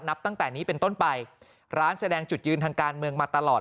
นับตั้งแต่นี้เป็นต้นไปร้านแสดงจุดยืนทางการเมืองมาตลอด